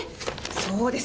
そうです。